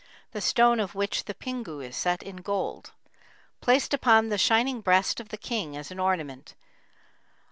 The stone of which the pingu is set in gold. Placed upon the shining breast of the king as an ornament.